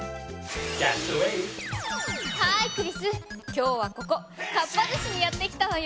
今日はここかっぱ寿司にやって来たわよ！